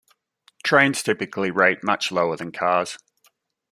Trains typically rate much lower than cars.